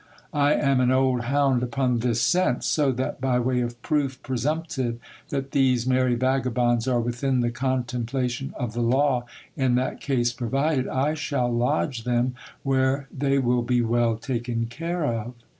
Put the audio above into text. I am an old hound upon this scent ; so that, by way of proof presumptive that these merry vagabonds are within the contemplation of the law in that case provided, I shall lodge them where they will be well taken care of.